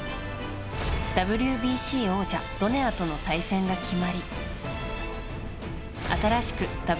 ＷＢＣ王者ドネアとの対戦が決まり新しく